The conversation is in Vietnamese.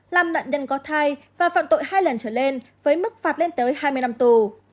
làm nạn nhân có thai và phạm tội hai lần trở lên với mức phạt lên tới hai mươi năm tù